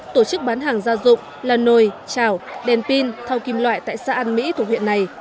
tổ chức bán hàng gia dụng là nồi chảo đèn pin thau kim loại tại xã an mỹ thuộc huyện này